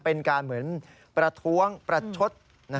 เป็นการเหมือนประท้วงประชด